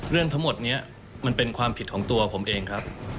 เรื่องทั้งหมดนี้มันเป็นความผิดของตัวผมเองครับ